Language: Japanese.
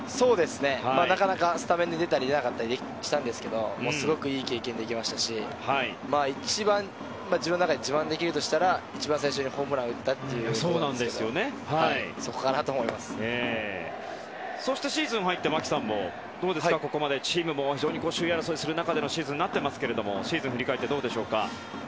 なかなかスタメンで出たり出なかったりでしたがすごくいい経験ができましたし一番、自分の中で自慢できるとしたら一番最初にホームランを打ったというシーズンに入って牧さんもここまでチームも首位争いをするようなシーズンになっていますけれども振り返って、どうでしょうか？